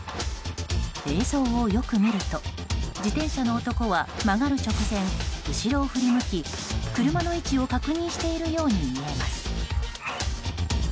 映像をよく見ると自転車の男は曲がる直前後ろを振り向き、車の位置を確認しているように見えます。